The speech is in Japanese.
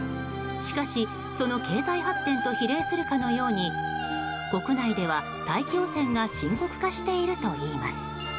しかし、その経済発展と比例するかのように国内では大気汚染が深刻化しているといいます。